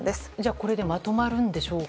これでまとまるんでしょうか？